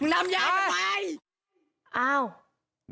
มึงนำยายกำไว้